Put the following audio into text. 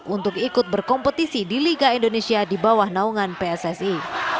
untuk ikut berkompetisi di liga indonesia di bawah naungan pssi